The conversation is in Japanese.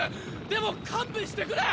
でも勘弁してくれ！